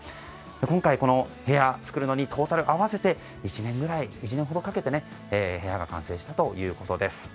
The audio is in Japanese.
今回、部屋を作るのにトータル合わせて１年ほどかけて部屋が完成したということです。